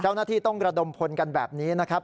เจ้าหน้าที่ต้องระดมพลกันแบบนี้นะครับ